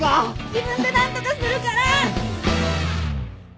自分で何とかするから！